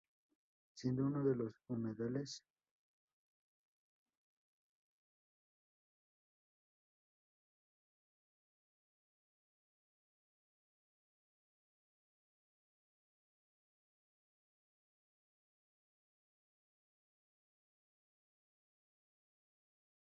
Es de escurrimiento efímero durante periodos de lluvias abundantes.